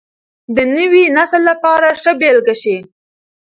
د نوي نسل لپاره ښه بېلګه شئ.